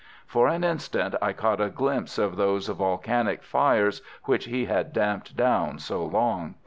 For an instant I caught a glimpse of those volcanic fires which he had damped down so long.